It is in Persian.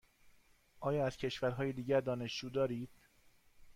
آیا از کشورهای دیگر دانشجو دارید؟